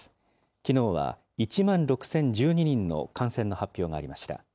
きのうは１万６０１２人の感染の発表がありました。